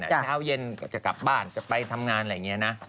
เช้าเย็นก็จะกลับบ้านจะไปทำงานอะไรอย่างนี้นะ